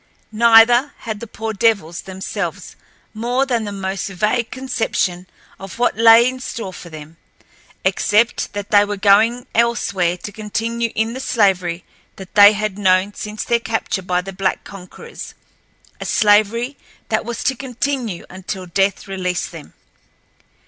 Neither had the poor devils themselves more than the most vague conception of what lay in store for them, except that they were going elsewhere to continue in the slavery that they had known since their capture by their black conquerors—a slavery that was to continue until death released them.